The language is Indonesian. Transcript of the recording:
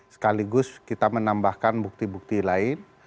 sekaligus kita menambahkan bukti bukti lain